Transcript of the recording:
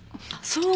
そう。